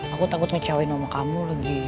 aku takut ngecawain mama kamu lagi